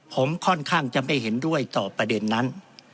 ผมค่อนข้างจะไม่เห็นด้วยต่อประเด็นนั้น